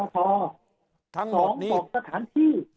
สองบอกสถานที่